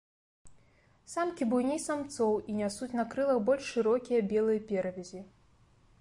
Самкі буйней самцоў і нясуць на крылах больш шырокія белыя перавязі.